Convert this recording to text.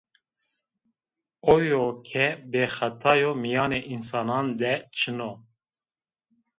Oyo ke bêxeta yo, mîyanê însanan de çin o